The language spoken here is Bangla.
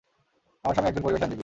আমার স্বামী একজন পরিবেশ আইনজীবী।